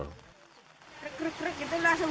krek krek krek gitu langsung